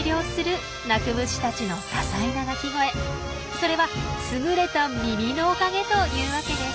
それは優れた耳のおかげというわけです。